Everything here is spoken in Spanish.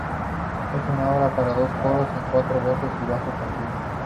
Es una obra para dos coros a cuatro voces, y bajo continuo.